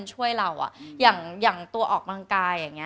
สวัสดีค่ะ